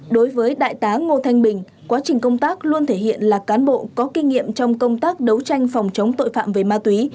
đối với đại tá ngô thanh bình quá trình công tác luôn thể hiện là cán bộ có kinh nghiệm trong công tác đấu tranh phòng chống tội phạm về ma túy